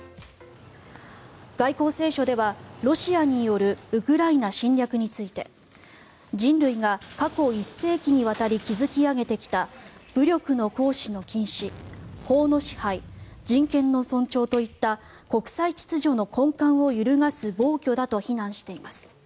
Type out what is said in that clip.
外交青書ではロシアによるウクライナ侵略について人類が過去１世紀にわたり築き上げてきた武力の行使の禁止法の支配、人権の尊重といった国際秩序の根幹を揺るがす暴挙だと非難しています。